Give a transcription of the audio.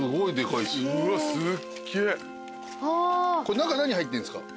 これ中入ってるんすか？